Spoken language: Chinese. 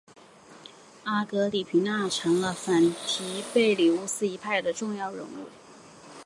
阿格里皮娜成了反提贝里乌斯一派的重要人物。